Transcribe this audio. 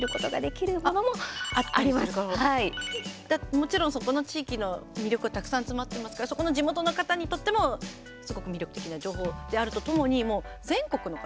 もちろん、そこの地域の魅力がたくさん詰まってますからそこの地元の方にとってもすごく魅力的な情報であるとともに、もう全国の方。